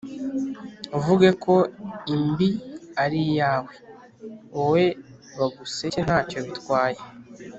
uvuge ko imbi ari iyawe, wowe baguseke nta cyo bitwaye’.